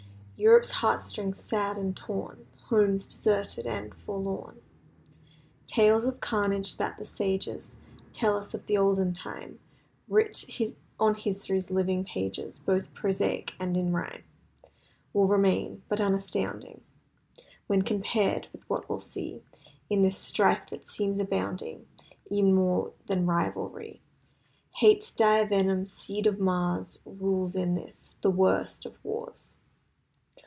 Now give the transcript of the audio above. Europe's heart strings, sad and torn; Homes deserted and forlorn. Tales of carnage that the sages Tell us of the olden time, Writ on his'ry's living pages Both prosaic and in rhyme Will remain—but unastounding. When compared with what we'll see In this strife that seems abounding E'en with more than rivalry— Hate's dire venom—seed of Mars— Rules in this, the worst of wars.